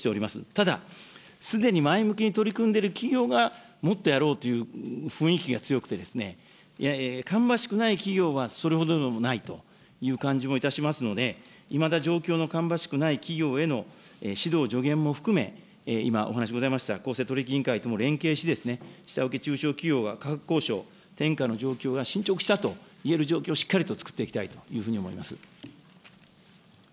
ただ、すでに前向きに取り組んでいる企業が、もっとやろうという雰囲気が強くてですね、芳しい企業はそれほどでもないという感じもいたしますので、いまだ状況の芳しくない企業への指導、助言も含め、今、お話しございました公正取引委員会とも連携し、下請け中小企業が転嫁の状況が進捗したという状況をしっかりと作っていきたいというふうに思います。